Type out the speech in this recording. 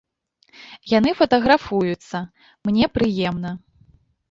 Яны фатаграфуюцца, мне прыемна.